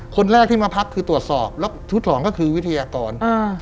คนแรกที่มาพักคือตรวจสอบแล้วชุดสองก็คือวิทยากรอ่า